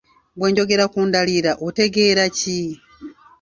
Bwe njogera ku ndaliira otegeera ki?